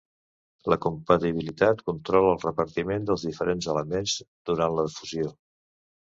La compatibilitat controla el repartiment dels diferents elements durant la fusió.